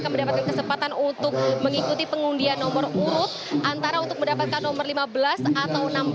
mendapatkan kesempatan untuk mengikuti pengundian nomor urut antara untuk mendapatkan nomor lima belas atau enam belas